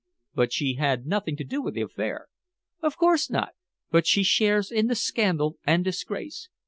"But she had nothing to do with the affair." "Of course not. But she shares in the scandal and disgrace.